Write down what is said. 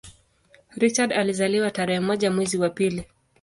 Richard alizaliwa tarehe moja mwezi wa pili